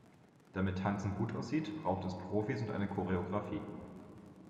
Damit Tanzen gut aussieht, braucht es Profis und eine Choreografie.